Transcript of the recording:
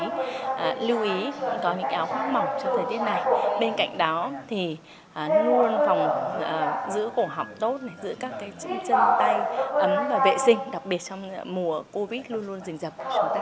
các cụ nên lưu ý có những áo khoác mỏng trong thời tiết này bên cạnh đó thì luôn giữ cổ họng tốt giữ các chữ chân tay ấm và vệ sinh đặc biệt trong mùa covid luôn luôn dình dập